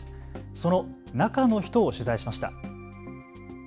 その中の人を取材しました。